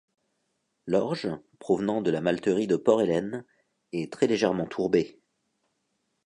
L'orge, provenant de la malterie de Port Ellen, est très légèrement tourbée.